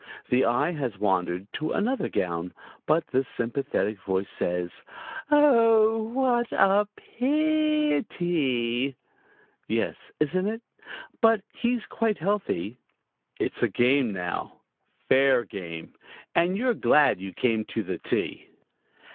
The eye has wandered to another gown, but the sympathetic voice says: "Oh, what a pi i ty!" "Yes, isn't it? But he's quite healthy." It's a game now fair game and you're glad you came to the tea!